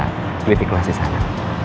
klik di kelas di sana